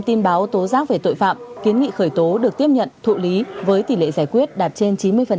một trăm linh tin báo tố giác về tội phạm kiến nghị khởi tố được tiếp nhận thụ lý với tỉ lệ giải quyết đạt trên chín mươi